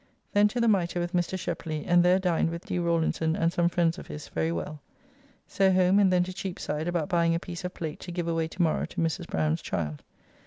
Then to the Mitre with Mr. Shepley, and there dined with D. Rawlinson and some friends of his very well. So home, and then to Cheapside about buying a piece of plate to give away to morrow to Mrs. Browne's child.